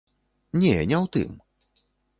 Не, не ў тым.